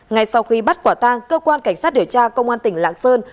ngay sau khi bắt quả tang cơ quan cảnh sát điều tra công an tỉnh lạng sơn